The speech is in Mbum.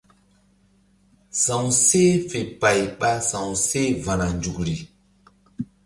Sa̧wseh fe pay ɓa sa̧wseh va̧na nzukri.